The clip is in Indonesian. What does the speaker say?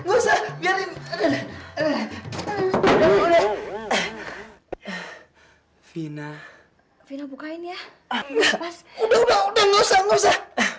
udah udah udah gak usah gak usah